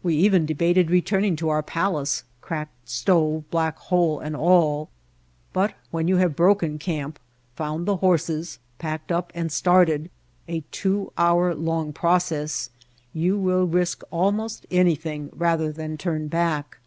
We even debated return ing to our palace, cracked stove, black hole, and all; but when you have broken camp, found the horses, packed up, and started, a two hour long process, you will risk almost anything rather than turn back.